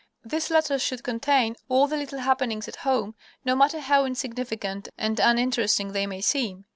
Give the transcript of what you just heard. These letters should contain all the little happenings at home, no matter how insignificant and uninteresting they may seem.